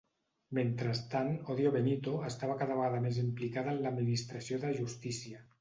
Mentrestant, Odio Benito estava cada vegada més implicada en l'administració de justícia.